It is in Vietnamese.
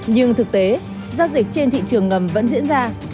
nhưng thực tế giao dịch trên thị trường ngầm vẫn diễn ra